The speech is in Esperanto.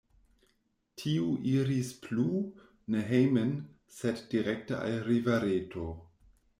Tiu iris plu, ne hejmen, sed direkte al rivereto.